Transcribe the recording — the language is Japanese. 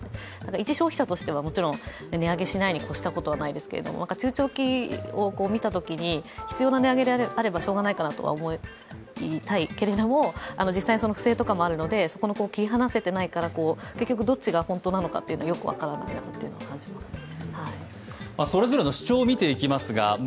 一消費者としてはもちろん値上げしないに越したことはないですが中長期をみたときに必要な値上げであればしようがないかなと思いたいけれども、実際に不正とかもあるのでそこが切り離せていないから、結局どっちが本当なのかよく分からないなっていうのは感じますね。